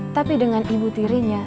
tapi dengan ibu dirinya